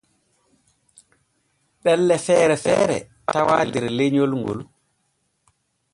Ɗelle feere feere tawaa der lenyol ŋol.